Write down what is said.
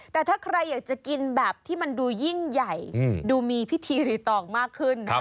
แต่ถ้าใครอยากจะกินแบบที่มันดูยิ่งใหญ่ดูมีพิธีรีตองมากขึ้น